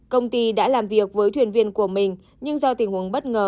công ty đã làm việc với thuyền viên của mình nhưng do tình huống bất ngờ